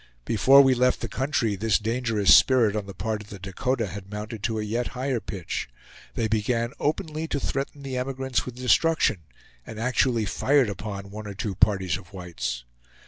Before we left the country this dangerous spirit on the part of the Dakota had mounted to a yet higher pitch. They began openly to threaten the emigrants with destruction, and actually fired upon one or two parties of whites.